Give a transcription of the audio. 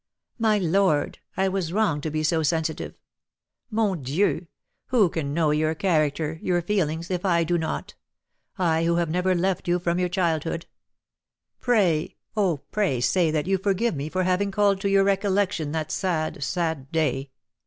My lord, I was wrong to be so sensitive. Mon Dieu! who can know your character, your feelings, if I do not, I, who have never left you from your childhood! Pray, oh, pray say that you forgive me for having called to your recollection that sad, sad day.